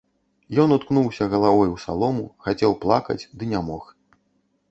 Ён уткнуўся галавой у салому, хацеў плакаць, ды не мог.